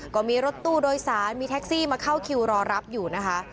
ก็มีรถตู้โดยสารมีแท็กซี่มาเข้าคิวรอรับอยู่นะคะ